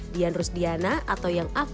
dianrus diana atau yang alpukatnya